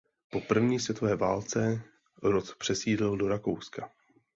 Po první světové válce rod přesídlil do Rakouska.